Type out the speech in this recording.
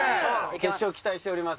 決勝期待しております。